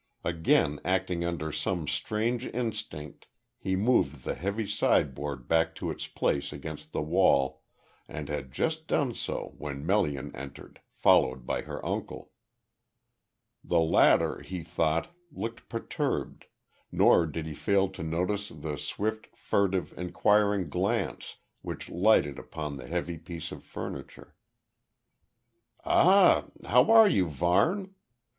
Again acting under some strange instinct, he moved the heavy sideboard back to its place against the wall, and had just done so when Melian entered, followed by her uncle. The latter, he thought, looked perturbed, nor did he fail to notice the swift, furtive, enquiring glance, which lighted upon the heavy piece of furniture. "Ah, how are you, Varne?